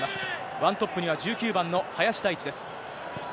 ワントップには１９番の林大地です。